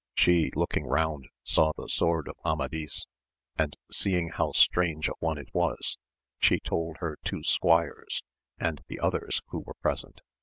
She lookmg round saw the sword of Amadis, and seeing how strange a one it was, she told her two squires, and the others who were present.